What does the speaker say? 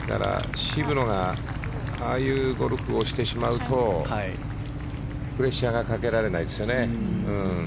渋野がああいうゴルフをしてしまうとプレッシャーがかけられないですよね。